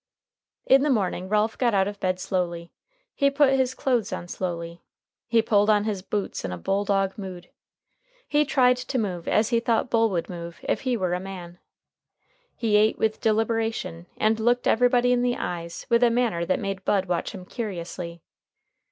In the morning Ralph got out of bed slowly. He put his clothes on slowly. He pulled on his boots in a bulldog mood. He tried to move as he thought Bull would move if he were a man. He ate with deliberation, and looked everybody in the eyes with a manner that made Bud watch him curiously.